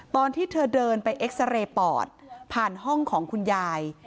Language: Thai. ตอนที่เธอเดินไปเอ็กซาเรย์ปอดผ่านห้องของคุณยาย